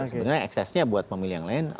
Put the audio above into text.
sebenarnya eksesnya buat pemilih yang lain